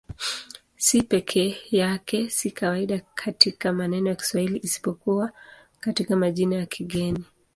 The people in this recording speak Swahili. C peke yake si kawaida katika maneno ya Kiswahili isipokuwa katika majina ya kigeni.